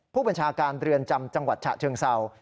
ผู้บัญชาการเรือนจำจังหวัดฉะเชิงเศร้า